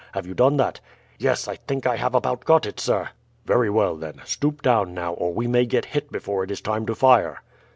Have you done that?" "Yes, I think I have about got it, sir." "Very well, then. Stoop down now, or we may get hit before it is time to fire."